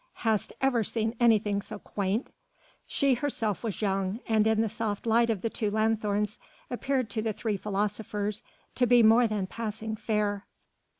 "Hast ever seen anything so quaint?" She herself was young, and in the soft light of the two lanthorns appeared to the three philosophers to be more than passing fair.